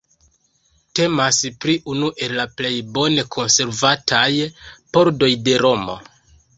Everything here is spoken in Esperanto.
Temas pri unu el la plej bone konservataj pordoj de Romo.